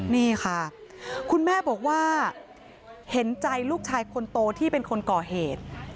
นี่ค่ะคุณแม่บอกว่าเห็นใจลูกชายคนโตที่เป็นคนก่อเหตุ